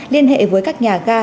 liên hệ với các nhà ga